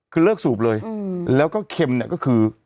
คือเลิกสูบเลยแล้วก็เค็มเนี่ยก็คือ